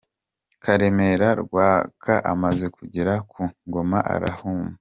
Karemera Rwaka amaze kugera ku ngoma arahuma.